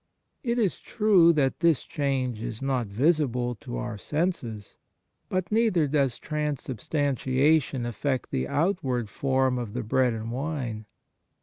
It is true that this change is not visible to our senses; but neither does Transub stantiation affect the outward form of the bread and wine.